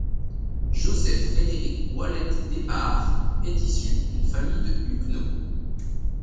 Joseph-Frédérick Wallet Des Barres est issu d’une famille de huguenots.